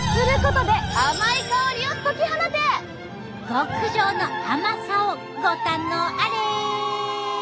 極上の甘さをご堪能あれ。